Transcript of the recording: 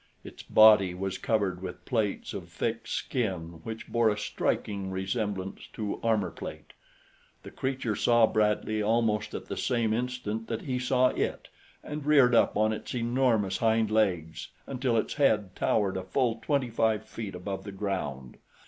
Its body was covered with plates of thick skin which bore a striking resemblance to armor plate. The creature saw Bradley almost at the same instant that he saw it and reared up on its enormous hind legs until its head towered a full twenty five feet above the ground.